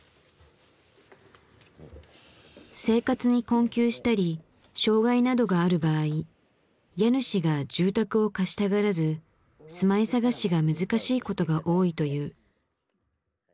生活に困窮したり障害などがある場合家主が住宅を貸したがらず住まい探しが難しいことが多いという。